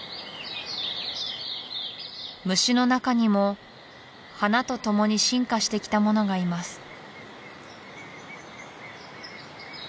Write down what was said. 虫の中にも花と共に進化してきたものがいます